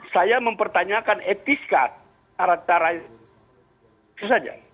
saya mempertanyakan etiskah cara cara itu saja